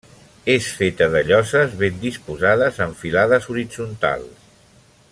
És feta de lloses ben disposades en filades horitzontals.